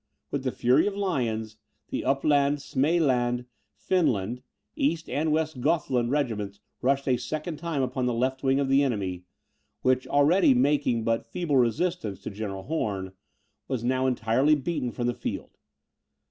With the fury of lions the Upland, Smaeland, Finland, East and West Gothland regiments rushed a second time upon the left wing of the enemy, which, already making but feeble resistance to General Horn, was now entirely beaten from the field.